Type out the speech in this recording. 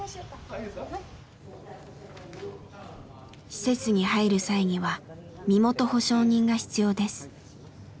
施設に入る際には身元保証人が必要です。